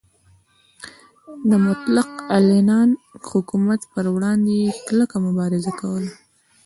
د مطلق العنان حکومت پروړاندې یې کلکه مبارزه کوله.